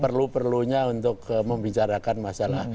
perlu perlunya untuk membicarakan masalah